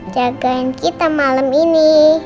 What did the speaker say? jagain kita malam ini